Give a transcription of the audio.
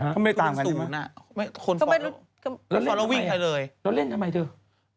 เขาไม่ตามกันหรือเปล่าแล้วเล่นทำไมแล้วเล่นทำไมด้วย